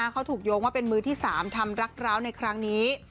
เขาถูกโยงว่าเป็นมือที่๓ทำรักร้าวในครั้งนี้